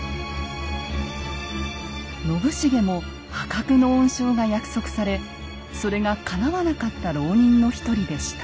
信繁も破格の恩賞が約束されそれがかなわなかった牢人の一人でした。